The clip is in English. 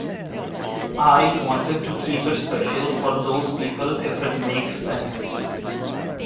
I wanted to keep it special for those people if it makes sense.